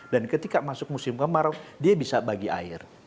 dan ketika masuk musim kemarau dia bisa bagi air